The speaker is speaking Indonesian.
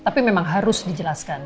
tapi memang harus dijelaskan